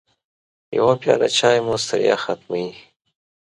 يوه پیاله چای مو ستړیا ختموي.